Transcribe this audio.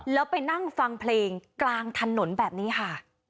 แล้วไปนั่งฟังเพลงกลางถนนแบบนี้ค่ะ